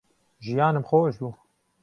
ژیانم خۆش بوو